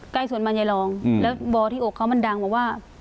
ใกล้สวนบรรยายรองแล้วบ่อที่อกเขามันดังบอกว่า